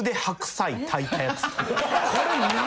これ何！？